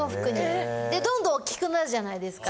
どんどんおっきくなるじゃないですか。